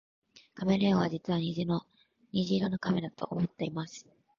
カメレオンは実は虹色の亀だと思っています